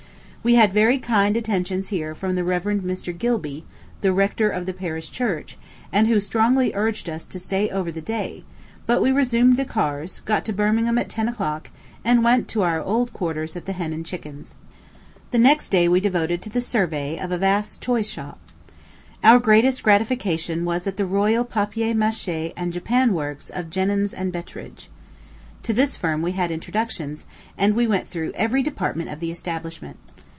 We had very kind attentions here from the Rev. Mr. Gilby, the rector of the parish church, and who strongly urged us to stay over the day; but we resumed the cars, got to Birmingham at ten o'clock, and went to our old quarters at the Hen and Chickens. The next day we devoted to the survey of this vast toy shop. Our greatest gratification was at the royal papier maché and japan works of Jennens & Bettridge. To this firm we had introductions, and we went through every department of the establishment.